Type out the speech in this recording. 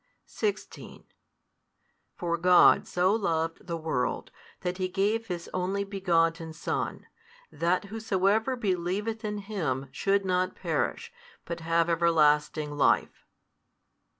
|174 16 For God so loved the world, that He gave His Only Begotten Son, that whosoever helieveth in Him should not perish, but have everlasting life.